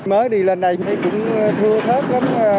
mới đi lên đây cũng thưa thớt lắm